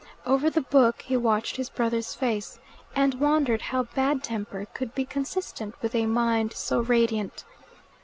Over the book he watched his brother's face, and wondered how bad temper could be consistent with a mind so radiant.